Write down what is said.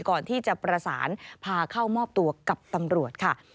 ก่อนที่จะประสานพาเข้ามอบตัวกับตำรวจค่ะ